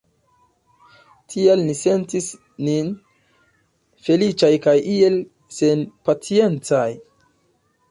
Tial ni sentis nin feliĉaj kaj iel senpaciencaj.